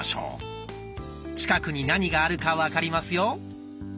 近くに何があるか分かりますよ。